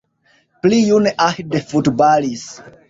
Pli june Ahde futbalis.